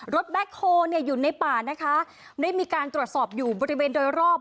แบ็คโฮลเนี่ยอยู่ในป่านะคะได้มีการตรวจสอบอยู่บริเวณโดยรอบ